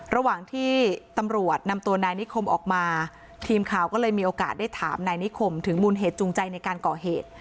ระหว่างที่ตำรวจนำตัวนายนิคมออกมาทีมข่าวก็เลยมีโอกาสได้ถามนายนิคมถึงมูลเหตุจูงใจในการก่อเหตุ